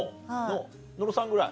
野呂さんぐらい？